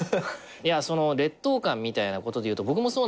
その劣等感みたいなことでいうと僕もそうなのよ。